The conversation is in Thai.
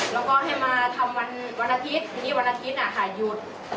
แล้วก็ให้มาทำวันวันอาทิตย์ทีนี้วันอาทิตย์อ่ะค่ะหยุด